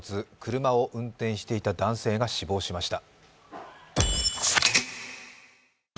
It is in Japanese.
車を運転していた男性が死亡しました。